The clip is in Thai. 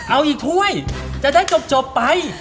เอาอีกถ้วยจะได้จบไป